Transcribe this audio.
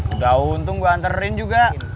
udah untung gue anterin juga